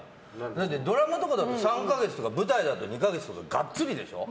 だって、ドラマとかだと３か月とか、舞台だと２か月とかガッツリでしょ。